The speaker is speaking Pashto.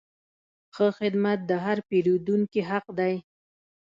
ښه خدمت د هر پیرودونکي حق دی.